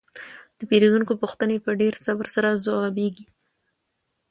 د پیرودونکو پوښتنې په ډیر صبر سره ځوابیږي.